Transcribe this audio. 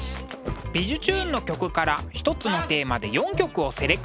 「びじゅチューン！」の曲から１つのテーマで４曲をセレクト。